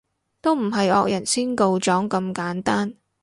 都唔係惡人先告狀咁簡單